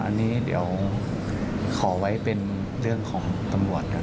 อันนี้เดี๋ยวขอไว้เป็นเรื่องของตำรวจกัน